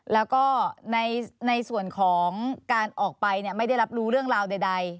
แล้วก็ในส่วนของการออกไปไม่ได้รับรู้เรื่องราวใด